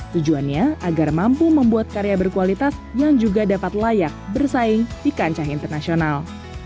tujuannya agar mampu membuat karya berkualitas yang juga dapat layak bersaing di kancah internasional